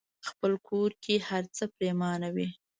خپل کور کې هرڅه پريمانه وي.